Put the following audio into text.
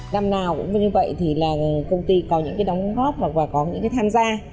năm nào cũng như vậy thì là công ty có những cái đóng góp hoặc là có những cái tham gia